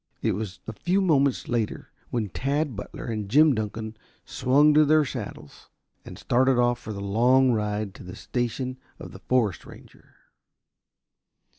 It was a few moments later when Tad Butler and Jim Dunkan swung to their saddles and started off for their long ride to the station of the forest ranger.